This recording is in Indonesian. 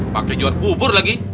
pake jual bubur lagi